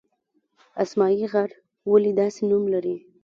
اسمايي غر ولې داسې نوم لري؟